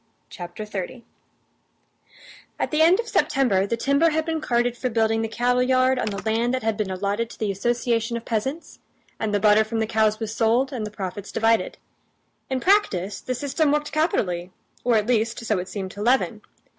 Chapter 30 At the end of September the timber had been carted for building the cattleyard on the land that had been allotted to the association of peasants, and the butter from the cows was sold and the profits divided. In practice the system worked capitally, or, at least, so it seemed to Levin.